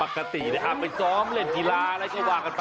ปกติไปซ้อมเล่นกีฬาอะไรก็ว่ากันไป